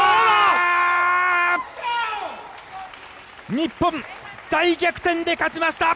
日本、大逆転で勝ちました！